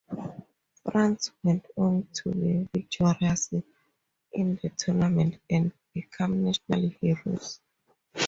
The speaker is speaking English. France went on to be victorious in the tournament and become national heroes.